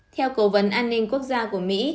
theo cố vấn an ninh quốc gia của mỹ